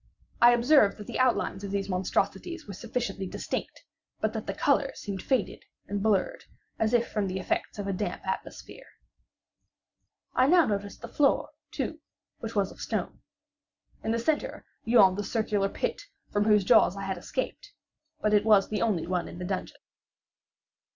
I observed that the outlines of these monstrosities were sufficiently distinct, but that the colors seemed faded and blurred, as if from the effects of a damp atmosphere. I now noticed the floor, too, which was of stone. In the centre yawned the circular pit from whose jaws I had escaped; but it was the only one in the dungeon.